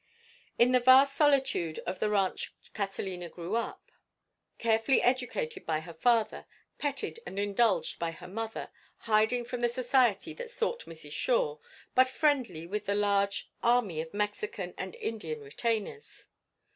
In the vast solitude of the ranch Catalina grew up, carefully educated by her father, petted and indulged by her mother, hiding from the society that sought Mrs. Shore, but friendly with the large army of Mexican and Indian retainers.